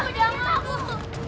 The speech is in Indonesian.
bu jangan bu jangan